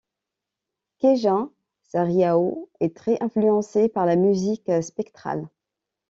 Kaija Saariaho est très influencée par la musique spectrale.